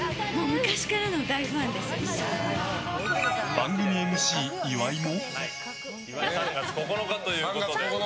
番組ＭＣ岩井も。